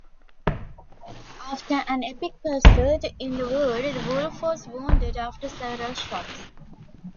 After an epic pursuit in the wood the wolf was wounded after several shots.